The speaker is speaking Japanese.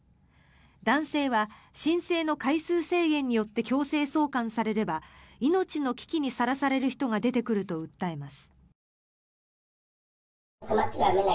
男性は申請の回数制限によって強制送還されれば命の危機にさらされる人が出てくると訴えます。